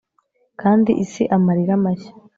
kandi isi amarira mashya